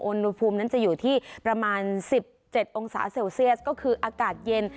อุณหภูมินั้นจะอยู่ที่ประมาณ๑๗องศาเซลเซียสก็คืออากาศเย็น